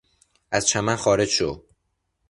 از چمن خارج شو!